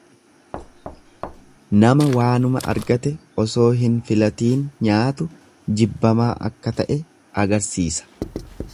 Nama waanuma argate osoo hin filatiin nyaatu jibbamaa akka ta' e agarsiisa.